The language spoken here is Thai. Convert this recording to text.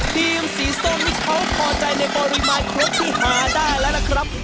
ทีมสีส้มนี่เขาพอใจในปริมาณครบที่หาได้แล้วนะครับ